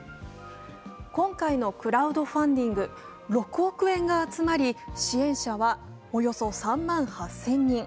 今回のクラウドファンディング６億円が集まり支援者はおよそ３万８０００人。